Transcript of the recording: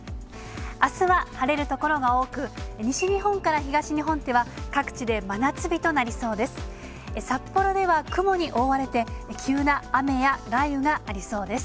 あすは晴れる所が多く、西日本から東日本では、各地で真夏日となりそうです。